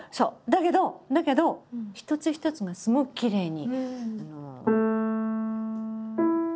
だけどだけど一つ一つがすごくきれいに。